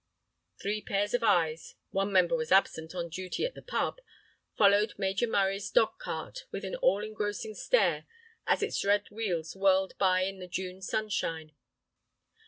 Three pairs of eyes, one member was absent on duty at the pub, followed Major Murray's dog cart with an all engrossing stare as its red wheels whirled by in the June sunshine.